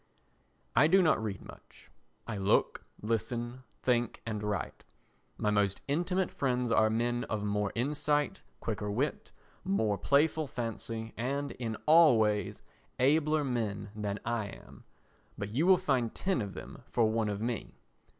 I do not read much; I look, listen, think and write. My most intimate friends are men of more insight, quicker wit, more playful fancy and, in all ways, abler men than I am, but you will find ten of them for one of me.